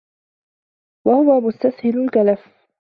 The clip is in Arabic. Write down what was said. وَهُوَ مُسْتَسْهَلُ الْكَلَفِ